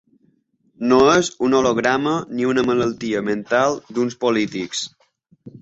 No és un holograma ni una malaltia mental d’uns polítics.